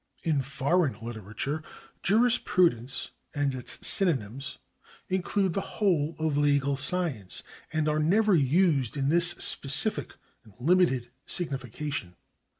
In foreign literature jurisprudence and its synonyms include the whole of legal science and are never used in this specific and limited signification.